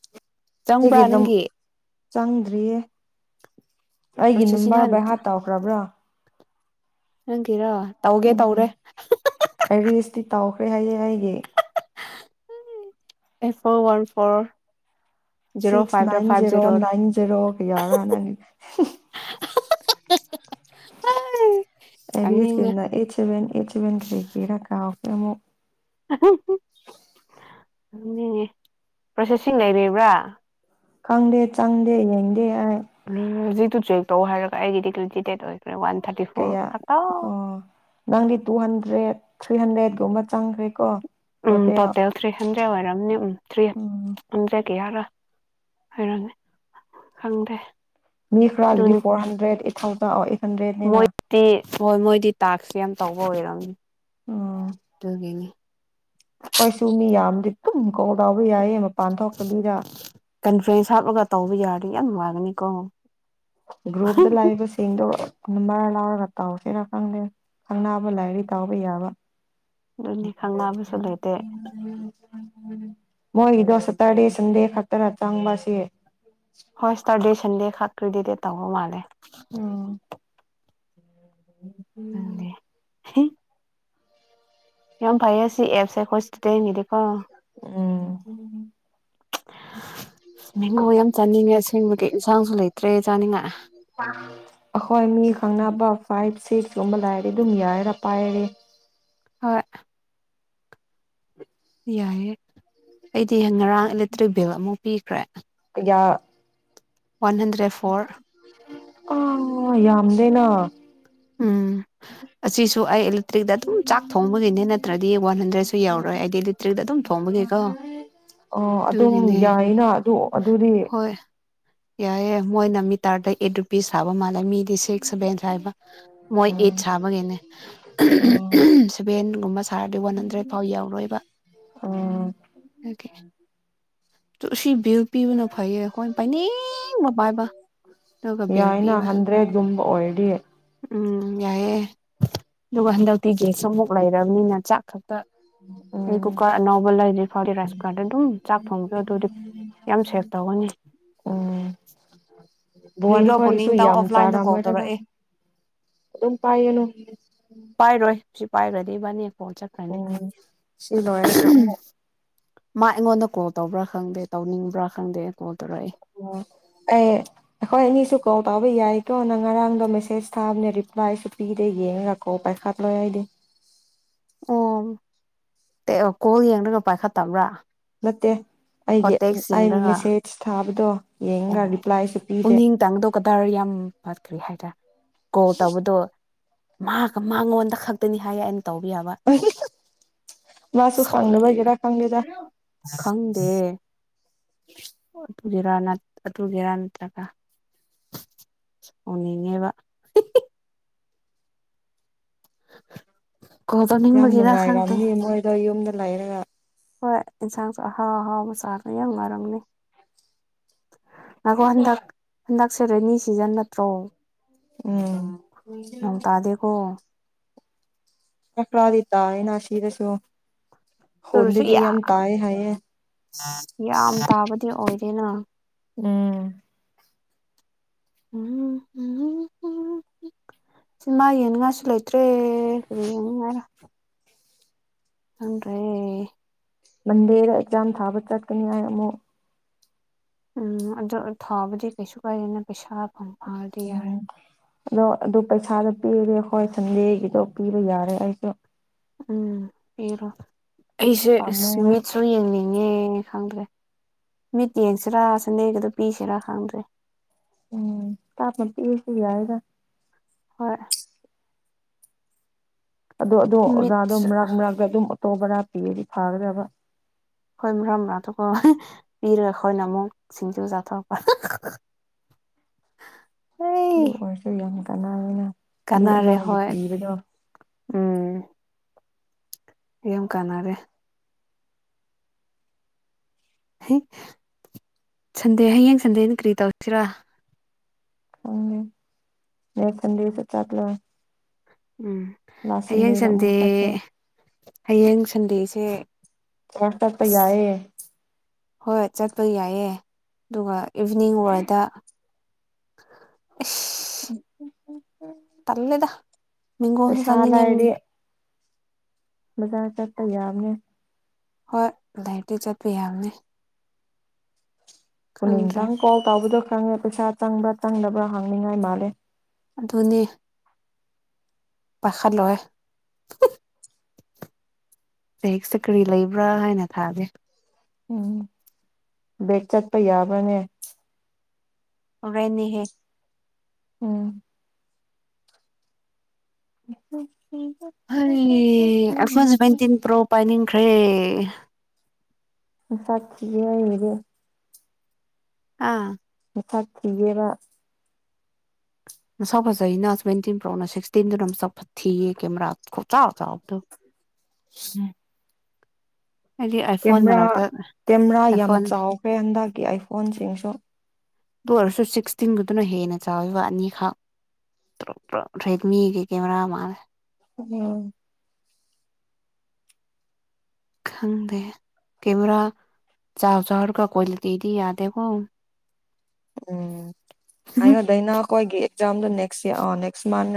[unintelligible] [inaudible] ꯀꯩꯒꯤ ꯆꯪꯕ꯭ꯔꯥ ꯑꯗꯨꯝ ꯅꯪꯒꯤ ꯆꯪꯗ꯭ꯔꯤꯌꯦ ꯑꯩꯒꯤ ꯄ꯭ꯔꯣꯁꯦꯁꯤꯡ ꯕꯥꯔ ꯚꯩꯍꯥ ꯇꯧꯈ꯭ꯔꯕ꯭ꯔꯥ ꯅꯪ ꯀꯔꯥ ꯎꯝ ꯑꯩ ꯔꯦꯁꯇꯤ ꯇꯥꯎꯈ꯭ꯔꯦ ꯦ ꯍꯥꯏꯌꯦ ꯍꯥꯏꯌꯦꯦ ꯑꯦ four one four zero six five nine five zero ꯖꯦꯔꯣꯔ ꯅꯥꯏꯟ ꯖꯦꯔꯣ ꯀ ꯌꯥꯔ ꯅ ꯁ ꯑꯦꯕꯤ ꯀ ꯏꯆꯕ ꯏꯆꯕ ꯈꯔꯤꯔꯀꯥ ꯇꯃꯣ ꯄ꯭ꯔꯣꯁꯦꯁꯤꯡ ꯂꯩꯔꯕ꯭ꯔꯥ ꯈꯪꯗꯦ ꯆꯪꯗꯦ ꯌꯦꯡꯗꯦ ꯑꯩ ꯇꯨ ꯇꯨꯋꯦꯛ ꯇꯧ ꯍꯥꯏꯔ ꯑꯩꯒꯤꯗꯤ꯭ꯦꯇꯨꯇꯦꯠ ꯑꯣꯏꯦ ꯀꯌꯥ ꯑꯣ ꯅꯪꯗꯤ ꯇꯨ ꯍꯟꯗ꯭ꯔꯦꯠ ꯊ꯭ꯔꯤ ꯍꯟꯗ꯭ꯔꯦꯗꯀꯨꯝꯕ ꯆꯪꯈ꯭ꯔꯦ ꯀꯣ ꯎꯝ ꯇꯣꯇꯦꯜ ꯊ꯭ꯔꯤ ꯍꯟꯗ꯭ꯔꯦꯠ ꯑꯣꯏꯔꯝꯅꯤ ꯎꯝ ꯊ꯭ꯔꯤ ꯎꯝ ꯍꯟꯗ꯭ꯔꯦꯠ ꯀꯌꯥꯔ ꯍꯥꯏꯔꯝꯃꯦ ꯈꯪꯗꯦ ꯃꯤ ꯈꯔꯒꯗꯤ ꯑꯗꯨꯅꯤ ꯐꯣꯔ ꯍꯟꯗ꯭ꯔꯦꯠ ꯐꯥꯎꯗ ꯃꯣꯏꯗꯤ ꯍꯣꯏ ꯃꯣꯏꯗꯤ ꯇꯥꯛꯁꯦ ꯌꯥꯝ ꯇꯧꯕ ꯑꯣꯏꯔꯝꯅꯤ ꯇꯒꯅꯦ ꯍꯣꯏ ꯁꯃꯤ ꯌꯥꯝꯝ ꯇꯨ ꯀꯧꯗ ꯀꯟꯐ꯭ꯔꯦꯟꯁ ꯍꯥꯞꯂꯒ ꯇꯧꯕ ꯌꯥꯔ ꯌꯥꯝ ꯃꯥꯒꯅꯤ ꯀꯣ ꯒ꯭ꯔꯨꯞꯨꯞꯇ ꯂꯥꯛꯏꯕꯁꯤꯡꯗꯣ ꯑꯗꯨ ꯃꯔꯔ ꯂꯥꯎꯔꯒ ꯇꯥꯎꯁꯤꯔꯥ ꯈꯪꯗꯦ ꯈꯪꯅꯥꯕ ꯂꯥꯏꯔꯤ ꯇꯥꯎꯕ ꯌꯥꯕ ꯑꯗꯨꯅꯤ ꯈꯪꯅꯕꯁꯨ ꯂꯩꯇꯦ ꯃꯣꯏꯒꯤꯗꯣ ꯁꯇꯔꯗꯦ ꯁꯟꯗꯦ ꯈꯛꯇꯅ ꯆꯪꯕꯁꯦ ꯍꯣꯏ ꯁꯇꯥꯔꯗꯦ ꯁꯟꯗꯦ ꯈ ꯀ꯭ꯔꯤꯗꯤꯗꯦ ꯇꯥꯕꯨꯣ ꯃꯥꯂꯦ ꯎꯝ ꯑꯦ ꯌꯥꯝ ꯐꯚꯁꯤ ꯑꯦꯞꯁꯦ ꯈꯣꯏꯁꯗꯗꯤ ꯎꯝ ꯃꯦꯡꯒꯣ ꯌꯥꯝ ꯆꯥꯅꯤꯡꯉꯦ ꯑꯁꯦꯡꯕꯒꯤ ꯏꯟꯁꯥꯡꯁꯨ ꯂꯩꯇ꯭ꯔꯦ ꯆꯥꯅꯤꯡꯉꯥꯏ ꯑꯩꯈꯣꯏ ꯃꯤ ꯈꯪꯅꯕ ꯐꯥꯏꯚ ꯁꯤꯛꯁꯀꯨꯝꯕ ꯂꯥꯏꯔꯦ ꯑꯗꯨꯝ ꯌꯥꯔꯔꯥ ꯄꯥꯏꯔꯦ ꯍꯣꯏ ꯌꯥꯏꯑꯦ ꯑꯩꯗꯤ ꯉꯔꯥꯡ ꯏꯂꯦꯛꯇ꯭ꯔꯤꯛ ꯕꯤꯜ ꯑꯃꯨꯛ ꯄꯤꯈ꯭ꯔꯦ ꯌꯥ ꯋꯥꯟ ꯍꯟꯗ꯭ꯔꯦꯠ ꯐꯣꯔ ꯑꯥ ꯌꯥꯝꯗꯦꯅ ꯎꯝ ꯑꯁꯤꯁꯨ ꯑꯩ ꯏꯂꯦꯛꯇ꯭ꯔꯤꯛꯇ ꯑꯗꯨꯝ ꯆꯥꯛ ꯊꯣꯡꯕꯒꯤꯅꯦ ꯅꯠꯇ꯭ꯔꯗꯤ ꯋꯥꯟ ꯍꯟꯗ꯭ꯔꯦꯗꯁꯨ ꯌꯧꯔꯔꯣꯏ ꯑꯩꯗꯤ ꯏꯂꯦꯛꯇ꯭ꯔꯤꯛꯇꯛꯇ ꯑꯗꯨꯝ ꯊꯣꯡꯕꯒꯤꯀꯣ ꯑꯣ ꯑꯗꯨꯝ ꯑꯗꯨꯒꯤꯅꯦ ꯌꯥꯏꯅ ꯑꯗꯨ ꯑꯗꯨꯗꯤ ꯍꯣꯏ ꯌꯥꯏꯏꯦ ꯃꯣꯏꯅ ꯃꯤ ꯇꯥꯔꯗ ꯑꯩꯠ ꯔꯨꯄꯤꯁ ꯊꯕ ꯃꯥꯜꯂꯦ ꯃꯤꯗꯤ ꯁꯤꯛꯁ ꯁꯚꯦꯟ ꯕ ꯃꯣꯏ ꯎꯝ ꯑꯩꯠ ꯁꯥꯕꯒꯤꯅꯦ ꯎꯝ ꯁꯚꯦꯟꯒꯨꯝꯕ ꯁꯥꯔꯗꯤ ꯋꯥꯟ ꯍꯟꯗ꯭ꯔꯦꯗ ꯐꯥꯎ ꯌꯧꯔꯣꯏꯕ ꯎꯝ ꯁꯤ ꯄꯤꯜ ꯄꯤꯕꯅ ꯐꯩꯌꯦ ꯑꯩꯈꯣꯏꯅ ꯄꯅꯤ ꯌꯥꯏꯅ ꯍꯟꯗ꯭ꯔꯦꯒꯨꯝꯕ ꯑꯣꯏꯗꯤꯌꯦ ꯎꯝ ꯌꯥꯏꯑꯦ ꯑꯗꯨꯒ ꯍꯟꯗꯛꯇꯤ ꯒꯦꯁ ꯑꯃꯨꯛ ꯂꯩꯔꯕꯅꯤꯅ ꯆꯥꯛ ꯈꯛ ꯑꯩ ꯎꯝ ꯀꯨꯀꯔ ꯑꯅꯧꯕ ꯂꯩꯔꯤꯔꯤ ꯐꯥꯎꯗꯤ ꯔꯥꯏꯁ ꯀꯨꯀꯔꯗ ꯑꯗꯨꯝ ꯆꯥꯛ ꯊꯣꯡꯕꯗꯣ ꯑꯗꯨꯗꯤ ꯌꯥꯝ ꯁꯦꯚ ꯇꯧꯒꯅꯤ ꯎꯝ ꯚꯋꯥꯟ ꯀꯔꯤꯔꯣ ꯈꯁꯨ ꯄꯨꯅꯤꯡꯇꯪ ꯌꯥꯝ ꯑꯣꯐꯂꯥꯏꯟꯗ ꯀꯣꯜ ꯆꯥꯔꯝꯑꯝꯃꯣꯏꯔꯒ ꯇꯧꯔꯛꯑꯦ ꯑꯗꯨꯝ ꯄꯥꯏꯒꯅꯨ ꯄꯥꯏꯈꯒꯗꯤꯕꯅꯤ ꯑꯣꯝ ꯁꯤ ꯂꯔ ꯆꯃ ꯃꯥ ꯑꯩꯉꯣꯟꯗ ꯀꯣꯜ ꯇꯧꯕ꯭ꯔꯥ ꯈꯪꯗꯦ ꯇꯧꯅꯤꯡꯕ꯭ꯔꯥ ꯈꯪꯗꯦ ꯀꯣꯜ ꯇꯧꯔꯛꯑꯦ ꯑꯩ ꯑꯩꯈꯣꯏ ꯑꯅꯤꯁꯨ ꯀꯣꯜ ꯇꯧꯕ ꯌꯥꯏꯀꯣ ꯅꯪ ꯉꯔꯥꯡꯗꯣ ꯃꯦꯁꯦꯁ ꯊꯥꯕꯅꯦ ꯔꯤꯄ꯭ꯂꯥꯏꯁꯨ ꯄꯤꯗꯦ ꯌꯦꯡꯉꯒꯀꯣ ꯄꯩꯈꯥ ꯂꯣꯏ ꯍꯥꯏꯗꯤꯦ ꯑꯣ ꯀꯣꯜ ꯌꯦꯡꯒ ꯄꯥꯏꯈꯠꯇꯕ꯭ꯔꯥ ꯅꯠꯇꯦ ꯑꯣ ꯑꯩꯒꯤ ꯇꯦꯛꯁ ꯑꯩ ꯌꯦꯡꯂꯒ ꯃꯦꯁꯦꯖ ꯊꯥꯕꯗꯣ ꯌꯦꯉꯒꯥ ꯔꯤꯄ꯭ꯂꯥꯏ ꯁꯨꯄꯤꯇꯦ ꯀꯗꯥꯔ ꯌꯥꯝ ꯐꯠꯈ꯭ꯔꯦ ꯍꯥꯏꯇꯥꯔꯦ ꯀꯣ ꯇꯧꯕꯗꯣ ꯃꯥꯒ ꯃꯉꯣꯟꯗ ꯈꯛꯇꯅꯤ ꯍꯥꯏꯌꯦ ꯑꯩ ꯇꯧꯕ ꯃꯥꯁꯨ ꯌꯥꯕꯅꯅꯦ ꯈꯪꯗꯕꯒꯤꯔꯥ ꯈꯪꯗꯦꯗ ꯈꯪꯗꯦ [unintelligible] ꯑꯗꯨꯨꯒꯦꯔꯥ ꯅꯠꯇ꯭ꯔꯒ ꯎꯅꯤꯡꯉꯦꯕ ꯀꯣꯜ ꯌꯥꯝ ꯇꯧꯅꯤꯡꯕꯒꯤꯔ ꯈꯪꯗꯦ ꯅꯨꯡꯉꯥꯏꯔꯝꯅꯤ ꯃꯣꯏꯗꯣ ꯌꯨꯝꯗ ꯂꯥꯏꯔꯒ ꯍꯣꯏ ꯏꯟꯁꯥꯡꯁꯨ ꯑꯍꯥꯎ ꯑꯍꯥꯎ ꯃ ꯆꯆꯥꯗ ꯌꯥꯝ ꯉꯔꯝꯅꯤ ꯉꯈꯣ ꯍꯟꯗꯛ ꯍꯟꯗꯛꯁꯦ ꯔꯦꯅꯤ ꯁꯤꯖꯟ ꯅꯠꯇ꯭ꯔꯣ ꯎꯝ ꯅꯣꯡ ꯇꯥꯗꯦꯀꯣ ꯍꯅꯗꯥꯛꯈꯥ ꯇꯏꯅꯥ ꯁꯤꯗꯁꯨꯣ ꯍꯨꯗꯗꯤ ꯌꯥꯝ ꯇꯥꯌꯦ ꯍꯥꯏꯌꯦ ꯌꯥꯝ ꯇꯥꯕꯗꯤ ꯑꯣꯏꯗꯦꯅ ꯎꯝ ꯁꯤ ꯃꯥꯏꯅ ꯉꯁꯤ ꯂꯩꯥꯏ [unintelligible] ꯈꯪꯗꯔꯦ ꯃꯟꯗꯦꯗ ꯑꯦꯛꯖꯥꯝ ꯊꯥꯕ ꯆꯠꯀꯅꯤ ꯍꯥꯏ ꯑꯃꯨꯛ ꯎꯝ ꯑꯗꯨꯗ ꯊꯥꯎꯕꯗꯤ ꯀꯩꯁꯨ ꯀꯥꯏꯦꯅ ꯄꯩꯁꯥ ꯐꯥꯎꯗꯤ ꯌꯥꯔꯦ ꯎꯝ ꯑꯗꯣ ꯑꯗꯨ ꯄꯩꯁꯥꯗꯣ ꯄꯤꯔꯦ ꯍꯣꯏ ꯁꯟꯗꯦꯒꯤꯗꯣ ꯄꯤꯕ ꯌꯥꯔꯦ ꯑꯩꯁꯨ ꯎꯝ ꯄꯤ ꯔꯣ ꯑꯩꯁꯦ ꯄꯥꯝꯃꯨꯋꯦ ꯃꯤꯠꯁꯨ ꯌꯦꯡꯅꯤꯡ ꯌꯦꯡꯉꯦ ꯈꯪꯗ꯭ꯔꯦ ꯃꯤꯠ ꯌꯦꯡꯁꯤꯔꯥ ꯁꯟꯗꯦꯒꯗ ꯄꯤꯁꯤꯔꯥ ꯈꯪꯗ꯭ꯔꯦ ꯎꯝ ꯇꯥꯞꯅꯥ ꯄꯤꯁꯨ ꯌꯥꯗ ꯍꯣꯏ ꯑꯗꯣ ꯑꯗꯣ ꯃꯤꯠ ꯑꯣꯖꯥꯗꯣ ꯃꯔꯛ ꯃꯔꯛꯇ ꯑꯗꯨꯝ ꯇꯣꯚꯥꯔꯥ ꯄꯤꯗꯤ ꯐꯥꯒꯗꯕ ꯑꯩꯈꯣꯏ ꯃꯝ ꯔꯥꯊꯣꯛꯄ ꯄꯤꯔ ꯑꯩꯈꯣꯏꯅ ꯑꯃꯨꯛ ꯁꯤꯡꯖꯨ ꯆꯥꯊꯣꯛꯄ ꯂꯑꯣꯏꯔꯁꯨ ꯌꯥꯝ ꯀꯅꯥꯅ ꯀꯅꯥꯔ ꯍꯣꯏ ꯎꯝ ꯌꯥꯝ ꯀꯅꯥꯔꯦ ꯁꯟꯗꯦ ꯍꯌꯦꯡ ꯁꯟꯗꯦꯅ ꯀꯔꯤ ꯇꯧꯁꯤꯔꯥ ꯃꯤꯊꯟꯗꯁ ꯆꯠꯂ ꯎꯝ ꯍꯌꯦꯡ ꯁꯟꯗꯦ ꯆꯠꯁꯦ ꯍꯌꯦꯡ ꯁꯟꯗꯦꯁꯦ [unintelligible] ꯆꯁ ꯇꯄꯩ ꯌꯥꯑ ꯍꯣꯏꯣꯏ ꯆꯠꯄ ꯌꯥꯏꯑꯦ ꯑꯗꯨꯒ ꯏꯚꯤꯅꯤꯡ ꯋꯥꯔꯗ ꯎꯝ ꯇꯂꯦꯗ ꯃꯤꯀꯣꯁꯨ ꯄꯩꯁꯥ ꯆꯅꯤꯡ ꯂꯥꯏꯔꯗꯤ ꯕꯖꯥꯔ ꯆꯠꯄ ꯌꯥꯝꯅꯦꯦ ꯍꯣꯏ ꯂꯥꯏꯔꯤꯛꯇꯤ ꯆꯠꯄ ꯌꯥꯅꯤ ꯄꯨ ꯇꯥꯡꯪ ꯀꯣꯜ ꯇꯥꯕꯗꯣ ꯆꯪꯉꯦ ꯄꯩꯁꯥ ꯆꯪꯕ꯭ꯔꯥ ꯆꯪꯗꯕ꯭ꯔꯥ ꯍꯥꯡꯅꯤꯡꯉꯥꯏ ꯃꯥꯜꯂꯦ ꯑꯗꯨꯅꯦ ꯄꯥꯈꯠꯂꯣꯏ ꯂꯥꯏꯔꯤꯛꯁꯦ ꯀꯔꯤ ꯂꯩꯕ꯭ꯔꯥ ꯍꯥꯏꯅ ꯊꯥꯒꯦ ꯎꯝ ꯕꯦꯛ ꯆꯠꯄ ꯌꯥꯕ꯭ꯔꯅꯦ ꯔꯅꯦ ꯍ ꯎꯝ ꯎ ꯍꯔꯤ ꯑꯐꯣꯟꯁ ꯇꯤꯟ ꯄ꯭ꯔꯣ ꯄꯅꯤꯡ ꯈ꯭ꯔꯦ ꯩꯁꯥꯈꯤꯤꯒꯤ ꯑꯣꯏꯒ ꯑꯥ ꯊꯠ ꯊꯦꯕ ꯁꯐ ꯁꯩꯅ ꯁꯚꯦꯟꯇꯤꯟ ꯄ꯭ꯔꯣꯅ ꯁꯤꯛꯁꯇꯤꯟꯗꯨꯅ ꯑꯃꯨ ꯁꯐ ꯊꯤꯌꯦ ꯀꯦꯃꯦꯔꯥ ꯈꯣ ꯆꯥ ꯆꯕꯗ ꯎꯝ ꯑꯩꯗꯤ ꯑꯥꯏꯐꯣꯟ ꯀꯦꯃꯦꯔꯥ ꯃꯔꯛꯇ ꯀꯦꯃꯦꯔꯥ ꯌꯥꯝ ꯑꯥꯏꯐꯣꯟ ꯆꯥꯎꯈ꯭ꯔꯦ ꯍꯟꯗꯛꯀꯤ ꯑꯥꯏꯐꯣꯟꯁꯤꯡꯁꯨ ꯑꯗꯨ ꯑꯣꯏꯔꯁꯨ ꯁꯤꯛꯁꯇꯤꯟꯗꯨꯗꯨꯅ ꯍꯦꯟꯅ ꯆꯥꯎꯋꯤꯕ ꯑꯅꯤꯈ ꯇ ꯇ ꯔꯦꯗꯃꯤꯒꯤ ꯀꯦꯃꯦꯔꯥ ꯃꯥꯜꯂꯦ ꯎꯝ ꯈꯪꯗꯦ ꯀꯦꯃꯦꯔꯥ ꯆꯥꯔ ꯆꯥꯔ ꯀ ꯀ꯭ꯋꯥꯂꯤꯇꯤꯗꯤ ꯌꯥꯗꯦꯀꯣ ꯎꯝ ꯑꯗꯥꯏꯩꯅꯀ ꯍꯒꯤꯦ ꯗꯣ ꯅꯦꯛ ꯅꯦꯛꯁ ꯃꯥꯟ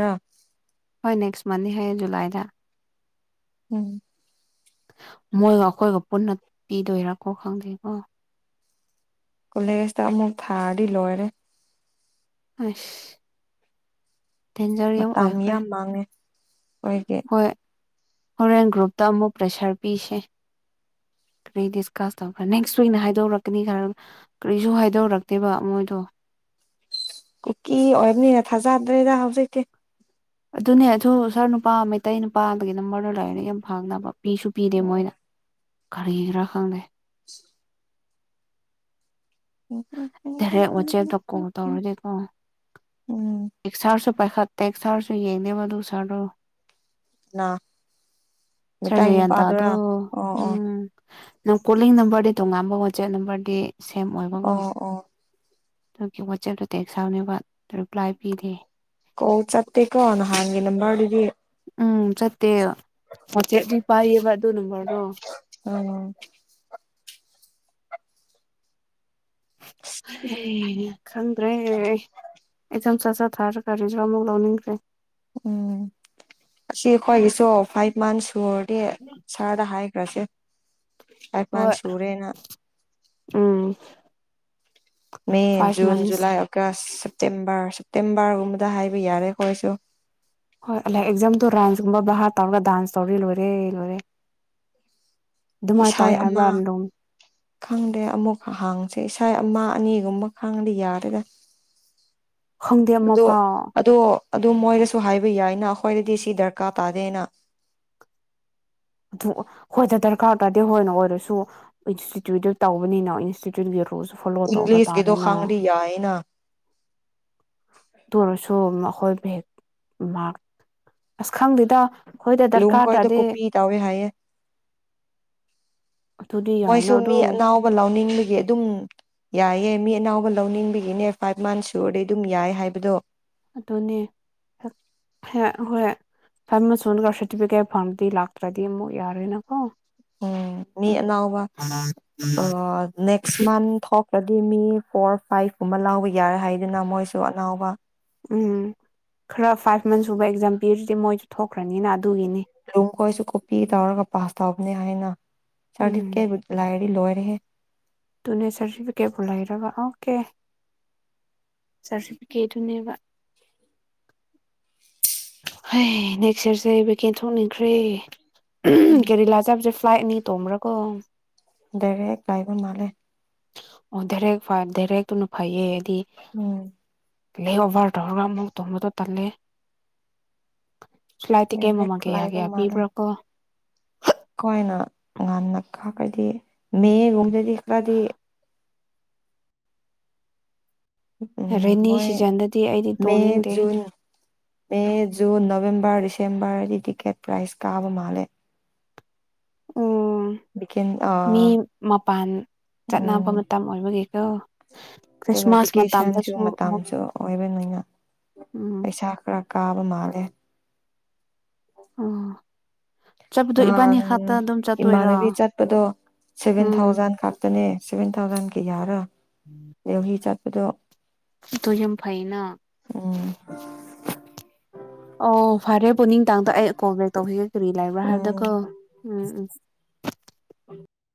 ꯍꯣꯏ ꯅꯦꯛꯁ ꯃꯟꯊ ꯍ ꯨꯂꯥꯏꯗ ꯎꯝ ꯃꯣꯏꯒ ꯑꯩꯈꯣꯏꯒ ꯄꯨꯟꯅ ꯄꯤꯗꯣꯏꯔꯥꯀꯣ ꯈꯪꯗꯦꯀꯣ ꯀꯣꯂꯦꯖꯇ ꯑꯃꯨꯛ ꯊꯥꯔꯗꯤ ꯂꯣꯏꯔꯦ ꯑꯁ ꯗꯦꯟꯖꯔ ꯌꯥꯝ ꯑꯣꯏꯈ꯭ꯔꯦ ꯑꯣꯏꯒꯦ ꯍꯣꯏ ꯍꯣꯔꯦꯟ ꯒ꯭ꯔꯨꯞꯇ ꯑꯃꯨꯛ ꯄ꯭ꯔꯦꯁꯔ ꯄꯤꯁꯦ ꯀꯔꯤ ꯗꯤꯁꯀꯁ ꯇꯧꯈ꯭ꯔ ꯅꯦꯛꯁ ꯋꯤꯛꯅ ꯍꯥꯏꯗꯧꯔꯛꯀꯅꯤ ꯈꯔ ꯀꯔꯤꯁꯨ ꯍꯥꯏꯗꯧꯔꯛꯇꯦꯕ ꯃꯣꯏꯗꯣ ꯀꯨꯀꯤ ꯑꯣꯏꯕꯅꯤꯅ ꯊꯥꯖꯗ꯭ꯔꯦꯗ ꯍꯧꯖꯤꯛꯀꯤꯦ ꯑꯗꯨꯅꯦ ꯑꯗꯨ ꯁꯥꯔ ꯅꯨꯄꯥ ꯃꯩꯇꯩ ꯅꯨꯄꯥꯗꯒꯤ ꯅꯝꯕꯔꯗ ꯂꯥꯏꯑꯦꯅꯦ ꯌꯥꯝ ꯐꯥꯡꯅꯕ ꯄꯤꯁꯨ ꯄꯤꯗꯦ ꯃꯣꯏꯅ ꯀꯔꯤ ꯔꯥ ꯈꯪꯗꯦ [unintelligible] ꯦꯔꯦꯛ ꯋꯥꯆꯦꯞꯇ ꯀꯣꯜ ꯇꯧꯔꯗꯤꯦꯀꯣ ꯎꯝ ꯑꯦꯛꯁꯥꯔꯁꯨ ꯄꯩ ꯐꯠꯇ ꯁꯥꯔꯁꯨ ꯌꯦꯏꯅꯦꯕ ꯑꯗꯨ ꯁꯥꯔ ꯀꯅꯥ ꯃꯤꯇꯩ ꯆꯔꯖꯌꯥꯟ ꯇ ꯑꯗꯣ ꯅꯨꯄꯥꯗꯨꯔꯥ ꯑꯣ ꯑꯣ ꯎꯝ ꯅꯪ ꯀꯣꯂꯤꯡ ꯅꯝꯕꯔꯗꯤ ꯇꯣꯉꯥꯟꯕ ꯋꯥꯆꯦꯞ ꯅꯝꯕꯔꯗꯤ ꯁꯦꯝ ꯑꯣꯏꯕꯒꯣ ꯑꯣ ꯑꯣ ꯑꯗꯨꯒꯤ ꯋꯥꯆꯦꯞꯇ ꯇꯦꯛ ꯁꯥꯎꯅꯦꯅꯕ ꯔꯤꯄ꯭ꯂꯥꯏ ꯄꯤꯗꯦ ꯀꯣꯠꯥꯥꯛꯇꯦ ꯀꯣꯅ ꯍꯥꯡꯦ ꯅ ꯃꯥꯕꯥꯗꯤꯔꯤ ꯎꯝ ꯆꯠꯇꯦ ꯃꯣꯆꯦꯗꯤ ꯄꯥꯏꯌꯦꯕ ꯇꯨ ꯅꯝꯕꯝꯕꯔꯗꯣ ꯎꯝ ꯍ ꯈꯪ ꯑꯗꯨꯦ ꯑꯦꯛꯖꯥꯝ ꯆ ꯆ ꯊꯥꯔ ꯀꯥꯔꯤꯖ ꯑꯃꯨꯛ ꯂꯧꯅꯤꯡꯈ꯭ꯔꯦ ꯎꯝ ꯑꯁꯤ ꯑꯩꯈꯣꯏꯒꯤꯁꯨ ꯐꯥꯏꯚ ꯃꯟꯁ ꯁꯨꯔꯗꯤ ꯁꯥꯔꯗ ꯍꯥꯏ ꯔꯁꯦ ꯄꯒꯃꯥꯟ ꯍꯣꯏ ꯁꯨꯔꯦꯅ um May five months June July August September ꯁꯦꯞꯇꯦꯝꯕꯔꯒꯨꯝꯕꯗ ꯍꯥꯏꯕ ꯌꯥꯔꯦ ꯑꯩꯈꯣꯏꯁꯨ ꯍꯣꯏ ꯂꯥꯏ ꯑꯦꯛꯖꯥꯝꯗꯣ ꯔꯥꯟꯁꯀꯨꯝꯕ ꯚꯔ ꯇꯧꯔꯒ ꯗꯥꯟꯁ ꯇꯧꯔꯤ ꯂꯣꯏꯔꯦ ꯂꯣꯏꯔꯦ ꯑꯗꯨꯃꯥꯏꯅ ꯏꯁꯩ ꯇꯧꯋꯤ ꯑꯃ ꯍꯥꯏꯕ꯭ꯔꯥꯗꯣꯝ ꯈꯪꯗꯦ ꯑꯃꯨꯛ ꯍꯥꯡꯁꯦ ꯏꯁ ꯑꯃ ꯑꯅꯤꯒꯨꯝꯕ ꯈꯥꯡꯗꯤꯦ ꯌꯥꯔꯦꯗ ꯈꯪꯗꯦ ꯑꯗꯣ ꯑꯃꯐꯥꯎ ꯑꯗꯣ ꯑꯗꯨ ꯃꯣꯏꯗꯁꯨ ꯍꯥꯏꯕ ꯌꯥꯏꯅ ꯑꯩꯈꯣꯏꯗꯗꯤ ꯁꯤ ꯗꯔꯀꯥꯔ ꯇꯥꯗꯦꯅ ꯑꯗꯨ ꯍꯣꯏꯗ ꯗꯔꯀꯥꯔ ꯇꯥꯔꯗꯤ ꯍꯣꯏꯅ ꯑꯣꯏꯔꯁꯨ ꯏꯟꯁꯇꯤꯇ꯭ꯌꯨꯠꯇ ꯇꯧꯕꯅꯤꯅ ꯏꯟꯁꯇꯤꯇ꯭ꯌꯨꯠ ꯌ ꯐꯣꯂꯣ ꯇꯧꯕ ꯏꯪꯂꯤꯁꯀꯤꯗꯣ ꯇꯥꯔꯦꯅ ꯈꯪꯉꯗꯤ ꯌꯥꯏꯅ ꯑꯗꯨ ꯑꯣꯏꯔꯁꯨ ꯑꯩꯈꯣꯏ ꯕꯦꯛ ꯃꯥꯔ ꯑꯁꯈꯪꯗꯨꯗ ꯂꯨꯣꯡꯀ ꯍꯗꯣ ꯀꯣꯄꯤꯤ ꯇꯥꯎꯋ ꯍꯥꯏ ꯑꯗꯨꯗꯤ [unintelligible] [inaudible] ꯌꯥꯏꯅ ꯃꯣꯏꯁꯨ ꯃꯤ ꯑꯗꯨ ꯑꯅꯥꯎꯕ ꯂꯥꯎꯅꯤꯡꯂꯤ ꯑꯗꯨꯝ ꯌꯥꯏꯑ ꯃꯤ ꯑꯅꯥꯎꯕ ꯂꯧꯅꯤꯡꯕꯒꯤꯅꯦ ꯐꯥꯏꯚ ꯃꯟꯁ ꯁꯨꯔꯗꯩ ꯑꯗꯨꯝ ꯌꯥꯏ ꯍꯥꯏꯕꯗꯣ ꯑꯗꯨꯅꯦ ꯍꯣꯏ ꯐ ꯁꯣꯒ ꯁꯥꯔꯇꯤꯐꯤꯀꯦꯠ ꯐꯪꯕꯗꯤ ꯂꯥꯛꯇ꯭ꯔꯗꯤ ꯑꯃꯨꯛ ꯌꯥꯔꯣꯏꯅꯀꯣ ꯎꯝ ꯃꯤ ꯑꯅꯥꯕ ꯅꯦꯛꯁ ꯃꯟ ꯊꯣꯛꯈ꯭ꯔꯗꯤ ꯃꯤ ꯐꯣꯔ ꯐꯥꯏꯚ ꯀꯨꯝꯕ ꯂꯥꯎꯕ ꯌꯥꯔꯦ ꯍꯥꯏꯗꯨꯅ ꯃꯣꯏꯁꯨ ꯑꯅꯥꯎꯕ ꯎꯝ ꯈꯔ ꯐꯥꯏꯚ ꯃꯟꯁ ꯁꯨꯕ ꯑꯦꯛꯖꯥꯝ ꯄꯤꯔꯗꯤ ꯃꯣꯏꯁꯨ ꯊꯣꯛꯈ꯭ꯔꯅꯤꯅ ꯑꯗꯨꯒꯤꯅꯤ ꯂꯨꯨꯡ ꯀꯣꯏꯁꯨ ꯀꯄꯤꯤ ꯇꯥꯔ ꯀꯄ ꯍꯥꯥꯁ ꯇ ꯅꯦ ꯍꯥꯏꯅ ꯆ ꯎꯝ ꯀꯦ ꯂꯅꯤ ꯂꯣꯏꯋ [inaudible] ꯑꯗꯨꯅꯦ ꯁꯥꯔꯇꯤꯐꯤꯀꯦꯠꯄꯨ ꯂꯩꯔꯕ ꯑꯣꯀꯦ ꯁꯥꯔꯇꯤꯐꯤꯀꯦꯠꯇꯨꯅꯦꯕ ꯍ ꯅꯦꯛꯁ ꯏꯔꯁꯦ ꯚꯦꯀꯦꯟ ꯊꯣꯛꯅꯤꯡꯈ꯭ꯔꯦ ꯎꯝ ꯀꯔꯤ ꯂꯖꯥꯕ꯭ꯔꯦ ꯐ꯭ꯂꯥꯏꯠꯅꯤ ꯇꯣꯡꯃ꯭ꯔꯀꯣ ꯗꯔꯦ ꯥꯏꯕꯣꯟ ꯃꯥꯂꯦ ꯑꯣꯔ ꯐ ꯗꯦꯔꯅ ꯐꯥꯏꯌꯦ ꯇ ꯎꯝ ꯂꯦꯑꯣꯚꯔ ꯇꯧꯔꯒ ꯑꯃꯨꯛ ꯇꯣꯡꯕꯗꯣ ꯇꯜꯂꯦ ꯐ꯭ꯂꯥꯏꯠ ꯇꯤ ꯀꯩ ꯗꯥꯏꯔꯦꯛ ꯃꯃꯥꯡꯒꯦ ꯂꯥꯏꯕ ꯌꯥꯒꯦꯌꯥ ꯃꯥꯜꯂꯦ ꯄꯤꯕ꯭ꯔꯥ ꯀꯣ ꯈꯣꯏꯅ ꯉꯟꯅ ꯈꯥꯈꯗꯤ ꯃꯒꯨꯝꯕꯗꯗꯤ ꯈꯔꯗꯤ ꯎ ꯔꯦꯅꯤ ꯃ ꯁꯤꯖꯟꯗꯗꯤ ꯑꯩꯗꯤ ꯃꯦ ꯇꯣꯡꯅꯤꯡꯗꯦ ꯖꯨꯟ ꯃꯦ ꯖꯨꯟ ꯅꯕꯦꯦꯝꯕꯔ ꯆꯦꯝꯕꯔꯗꯤ ꯇꯤꯛꯀꯦꯠ ꯄ꯭ꯔꯥꯏꯁ ꯀꯥꯕ ꯃꯥꯜꯂꯦ ꯑꯣ ꯚ ꯑ ꯆꯠꯅꯕ ꯎꯝ ꯃꯇꯝ ꯑꯣꯏꯕꯒꯤꯀꯣ ꯑꯗꯨꯒ ꯈ꯭ꯔꯤꯁꯃꯥꯁ ꯚꯤꯀꯦꯁꯟꯁꯨ ꯃꯇꯝꯗꯁꯨ ꯑꯃꯨꯛ ꯃꯇꯝꯁꯨ ꯑꯣꯏꯕ ꯅꯣꯏꯅ ꯎꯝ ꯄꯩꯁꯥ ꯈꯔ ꯀꯥꯕ ꯃꯥꯜꯂꯦ ꯑꯥ ꯅꯍꯥꯟ ꯆꯠꯇꯣꯏꯔꯣ ꯏꯃꯥꯟꯅꯕꯤ ꯆꯠꯄꯗꯣ ꯁꯚꯦꯟ ꯎꯝ ꯊꯥꯎꯖꯟ ꯈꯛꯇꯅꯦ ꯁꯚꯦꯟ ꯊꯥꯎꯖꯟꯒꯤ ꯌꯥꯔ ꯌꯧꯍꯤ ꯆꯠꯄꯗꯣ ꯑꯗꯨ ꯌꯥꯝ ꯐꯩꯅ ꯎꯝ ꯎ ꯑꯣ ꯐꯔꯦ ꯄꯨꯛꯅꯤꯡ ꯇꯥꯡꯗ ꯑꯩ ꯀꯣꯜ ꯕꯦꯛ ꯇꯧꯈꯤꯒꯦ ꯀꯔꯤ ꯂꯩꯕ꯭ꯔꯥ ꯎꯝ ꯍꯥꯏꯕꯗꯀꯣ ꯎꯝ ꯎꯝ